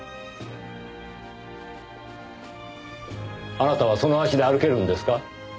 あなたはその足で歩けるんですか？